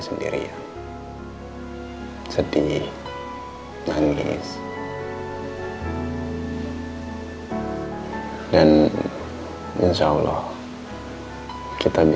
sampai jumpa di video selanjutnya